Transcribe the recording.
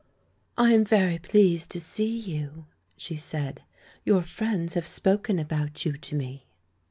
"I am very pleased to see you," she said; "your friends have spoken about you to me."